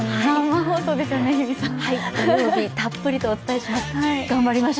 土曜日、たっぷりお伝えします。